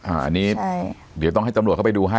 อันนี้เดี๋ยวต้องให้ตำรวจเข้าไปดูให้